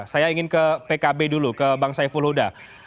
saya ingin ke pkb dulu ke bang saiful huda